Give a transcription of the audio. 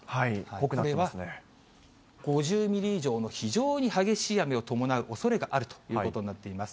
これは５０ミリ以上の非常に激しい雨を伴うおそれがあるということになっています。